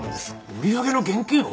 売り上げの現金を？